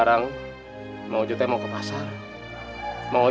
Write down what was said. teman ustaz zakaria